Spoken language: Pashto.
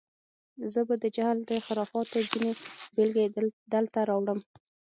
زه به د جهل و خرافاتو ځینې بېلګې دلته راوړم.